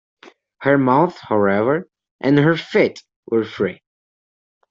Her mouth, however, and her feet were free.